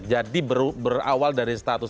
jadi berawal dari status